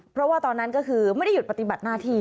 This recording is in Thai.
เพราะว่าตอนนั้นก็คือไม่ได้หยุดปฏิบัติหน้าที่